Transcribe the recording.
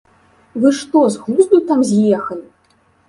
Вы што, з глузду там з'ехалі?